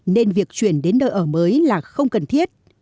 nên việc chuyển đến nơi ở mới là không cần thiết